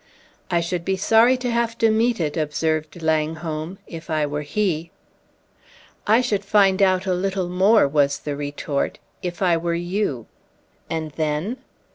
"I should be sorry to have to meet it," observed Langholm, "if I were he." "I should find out a little more," was the retort, "if I were you!" "And then?"